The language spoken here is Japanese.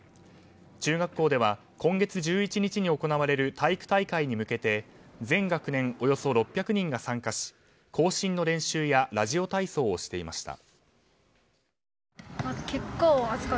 中学校では今月１１日に行われる体育大会に向けて全学年およそ６００人が参加し行進の練習やラジオ体操をしていました。